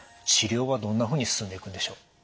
治療はどんなふうに進んでいくんでしょう？